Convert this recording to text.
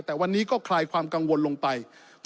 แต่วันนี้ก็คลายความกังวลลงไป